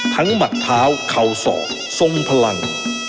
หมัดเท้าเข่าศอกทรงพลัง